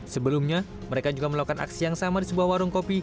sebelumnya mereka juga melakukan aksi yang sama di sebuah warung kopi